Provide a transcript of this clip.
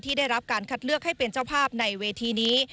ได้รับการคัดเลือกให้เป็นเจ้าภาพในเวทีนี้